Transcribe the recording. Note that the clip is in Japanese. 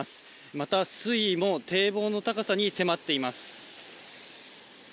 また、水位も堤防の高さに迫っています。